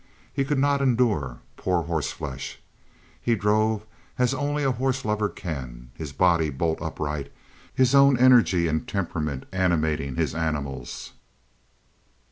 He could not endure poor horse flesh. He drove as only a horse lover can, his body bolt upright, his own energy and temperament animating his animals.